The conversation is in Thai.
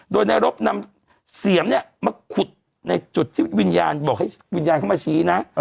โดยนายรบนำเสียมเนี่ยมาขุดในจุดที่วิญญาณบอกให้วิญญาณเข้ามาชี้นะ